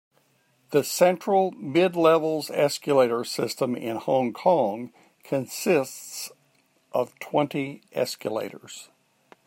The Central-Midlevels escalator system in Hong Kong consists of twenty escalators.